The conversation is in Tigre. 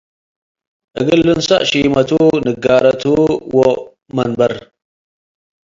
እግል ልንሰእ ሺመቱ - ንጋረቱ ወመንበር